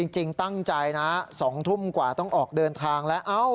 จริงตั้งใจนะ๒ทุ่มกว่าต้องออกเดินทางแล้ว